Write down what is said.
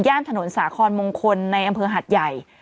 ถนนสาคอนมงคลในอำเภอหัดใหญ่